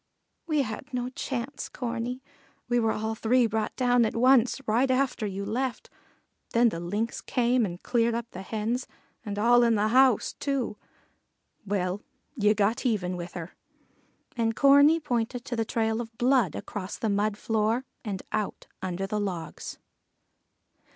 "We had no chance, Corney; we were all three brought down at once, right after you left. Then the Lynx came and cleared up the Hens, and all in the house, too." "Well, ye got even with her," and Corney pointed to the trail of blood across the mud floor and out under the logs.